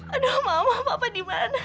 aduh mama papa di mana